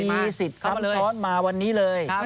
มีสิทธิ์ซับซ้อนมาวันนี้เลย